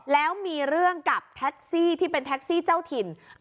แล้วมีเรื่องกับแท็กซี่ที่เป็นแท็กซี่เจ้าถิ่น